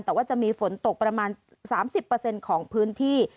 แต่ว่าจะมีฝนตกประมาณ๓๐ของพื้นที่